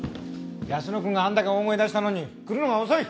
泰乃君があんだけ大声出したのに来るのが遅い！